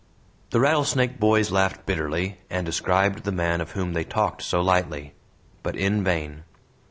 The Rattlesnake boys laughed bitterly, and described the man of whom they talked so lightly; but in vain.